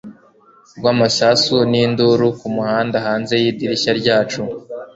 rw'amasasu n'induru ku muhanda hanze y'idirishya ryacu